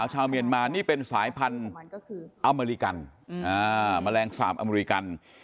เห็นบ่อยในประเทศไทยเจอบ่อยนะครับ